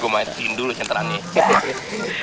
gua maetin dulu senteran nih